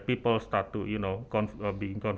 ini berarti orang orang mulai yakin